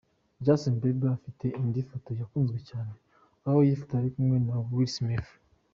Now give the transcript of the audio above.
Justin Bieber afite indi foto yakunzwe cyane, aho yifotoje ari kumwe na Will Smith.